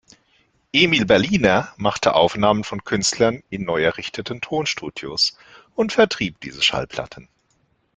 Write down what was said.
Emil Berliner machte Aufnahmen von Künstlern in neu errichteten Tonstudios und vertrieb diese Schallplatten.